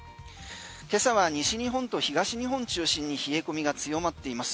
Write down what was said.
今朝は西日本と東日本中心に冷え込みが強まっています。